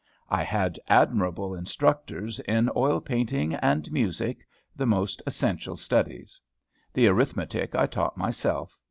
I had admirable instructors in Oil Painting and Music, the most essential studies. The Arithmetic I taught myself.